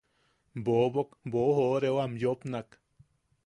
Bobok boʼojooreo am yopnak: